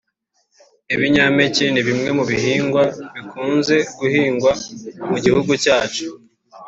Ibinyampeke ni bimwe mu bihingwa bikunze guhingwa mu gihugu cyacu